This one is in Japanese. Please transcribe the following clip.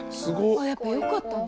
あやっぱよかったんだ。